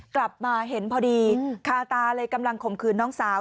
กลับมาเห็นพอดีคาตาเลยกำลังข่มขืนน้องสาว